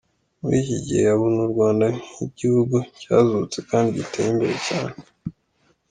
Muri iki gihe abona u Rwanda nk’ihugu cyazutse kandi giteye imbere cyane.